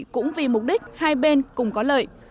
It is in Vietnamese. cũng vì mục đích hai bên cùng có lợi